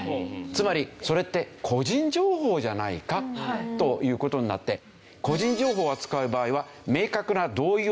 つまりそれって個人情報じゃないかという事になって個人情報を扱う場合は明確な同意を得る必要がある。